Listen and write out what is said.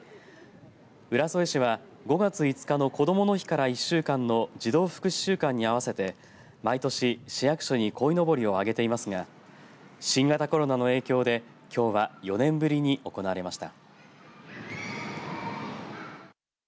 浦添市は５月５日のこどもの日から１週間の児童福祉週間に合わせて毎年、市役所にこいのぼりを揚げていますが新型コロナの影響できょうは４年ぶりに行われました。